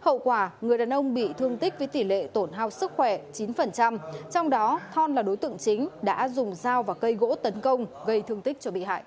hậu quả người đàn ông bị thương tích với tỷ lệ tổn hao sức khỏe chín trong đó thon là đối tượng chính đã dùng dao và cây gỗ tấn công gây thương tích cho bị hại